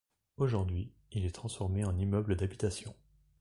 Aujourd'hui, il est transformé en immeuble d'habitation.